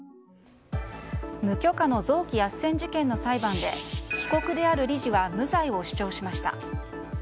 無許可の臓器あっせん事件の裁判で被告である理事は無罪を主張しました。